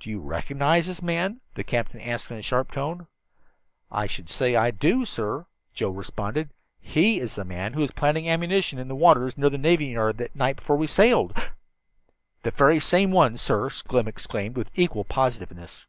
"Do you recognize this man?" the captain asked in a sharp tone. "I should say I do, sir," Joe responded. "He is the man who was planting ammunition in the waters near the navy yard that night before we sailed!" "The very same one, sir!" Slim exclaimed, with equal positiveness.